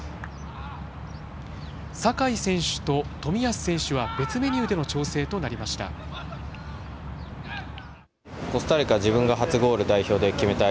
酒井選手と冨安選手は別メニューでの調整となりました。